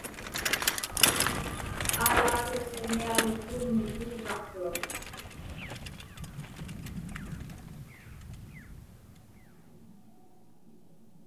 Aalaaglu Siġmiaġlu kuuŋmi puuvraqtuak.